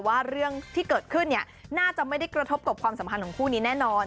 ว่าเรื่องที่เกิดขึ้นเนี่ยน่าจะไม่ได้กระทบกับความสัมพันธ์ของคู่นี้แน่นอน